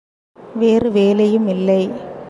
வேறு வேலையும் இல்லை.